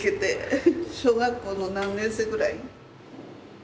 小学校の何年生ぐらい？